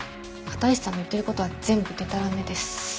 片石さんの言ってる事は全部でたらめです。